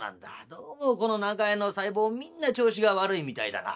どうもこの長屋の細胞みんな調子が悪いみたいだが」。